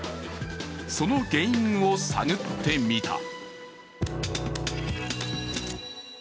その原因を探ってみた。